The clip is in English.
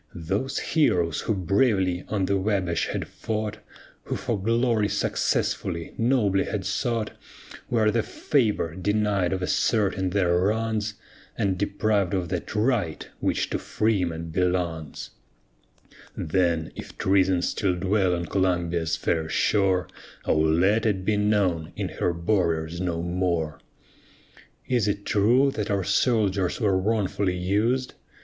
Those heroes, who bravely on the Wabash had fought, Who for glory successfully nobly had sought, Where the favor denied of asserting their wrongs, And deprived of that right which to freemen belongs. Chorus Then if treason still dwell on Columbia's fair shore, O let it be known in her borders no more! Is it true that our soldiers were wrongfully us'd?